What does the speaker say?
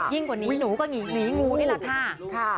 กว่านี้หนูก็หนีงูนี่แหละค่ะ